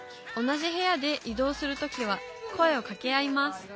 同じ部屋で移動する時は声をかけ合います